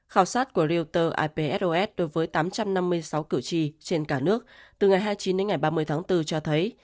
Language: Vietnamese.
khảo sát của reuters ipsos đối với tám trăm năm mươi sáu cử tri trên cả nước từ ngày hai mươi chín đến ngày ba mươi tháng bốn cho thấy